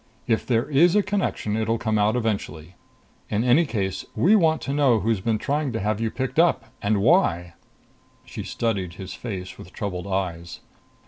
If there is a connection, it'll come out eventually. In any case, we want to know who's been trying to have you picked up and why." She studied his face with troubled eyes.